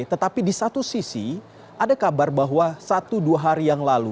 tetapi di satu sisi ada kabar bahwa satu dua hari yang lalu